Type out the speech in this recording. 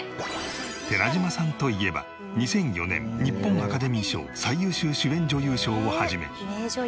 寺島さんといえば２００４年日本アカデミー賞最優秀主演女優賞を始め。